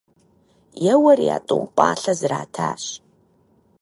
Еуэри а тӀум пӀалъэ зэрэтащ.